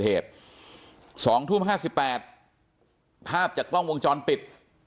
เหตุ๒ทุ่ม๕๘ภาพจากตรงวงจรปิด